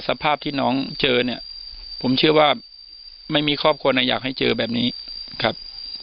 สภาพที่น้องเจอเนี่ยผมเชื่อว่าไม่มีครอบครัวนะอยากให้เจอแบบนี้ครับ